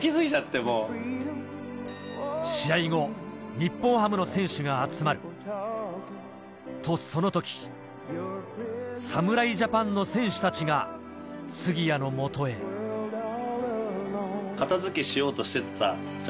日本ハムの選手が集まるとその時侍ジャパンの選手たちが杉谷の元へ片付けしようとしてた。